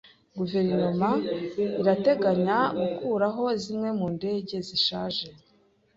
Guverinoma irateganya gukuraho zimwe mu ndege zishaje.